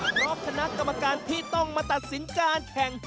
เพราะคณะกรรมการที่ต้องมาตัดสินการแข่ง